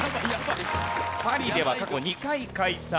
パリでは過去２回開催。